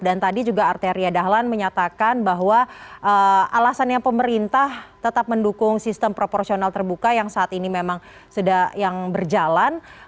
dan tadi juga arteria dahlan menyatakan bahwa alasannya pemerintah tetap mendukung sistem proporsional terbuka yang saat ini memang sudah yang berjalan